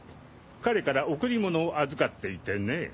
彼から贈り物を預かっていてね。